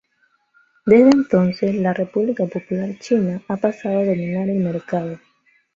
Desde entonces, la República Popular China ha pasado a dominar el mercado.